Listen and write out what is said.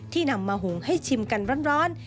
นำมาหุงให้ชิมกันร้อน